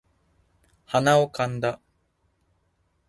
鼻をかんだ